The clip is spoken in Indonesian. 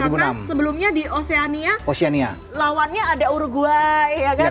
karena sebelumnya di oceania lawannya ada uruguay